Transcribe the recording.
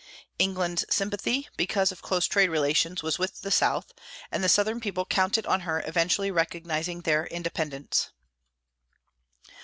England's sympathy, because of close trade relations, was with the South, and the Southern people counted on her eventually recognizing their independence.